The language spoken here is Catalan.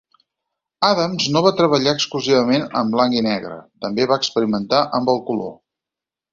Adams no va treballar exclusivament en blanc i negre, també va experimentar amb el color.